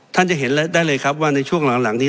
ท่านจะเห็นได้เลยครับว่าในช่วงหลังนี้